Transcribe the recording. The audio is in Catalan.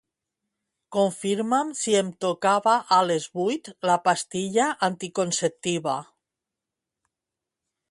Confirma'm si em tocava a les vuit la pastilla anticonceptiva.